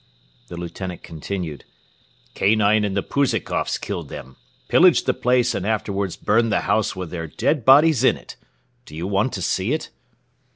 The Lieutenant continued: "Kanine and the Pouzikoffs killed them, pillaged the place and afterwards burned the house with their dead bodies in it. Do you want to see it?"